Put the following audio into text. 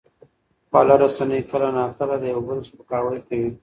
خواله رسنۍ کله ناکله د یو بل سپکاوی کوي.